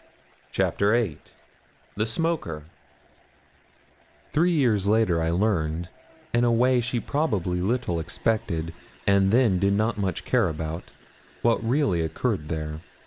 CHAPTER VIII THE SMOKER Three years later I learned in a way she probably little expected, and then did not much care about what really occurred there.